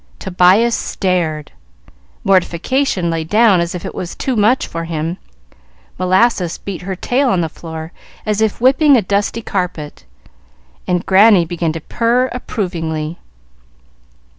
Tobias stared, Mortification lay down as if it was too much for him, Molasses beat her tail on the floor as if whipping a dusty carpet, and Granny began to purr approvingly.